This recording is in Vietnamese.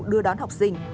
đưa đón học sinh